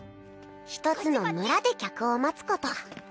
１つの村で客を待つこと